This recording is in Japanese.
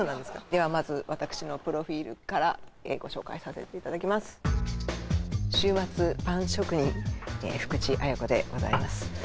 ではまず私のプロフィールからご紹介させていただきます